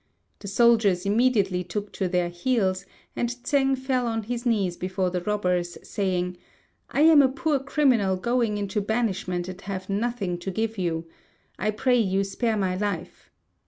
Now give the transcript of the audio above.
The soldiers immediately took to their heels, and Tsêng fell on his knees before the robbers, saying, "I am a poor criminal going into banishment, and have nothing to give you. I pray you spare my life."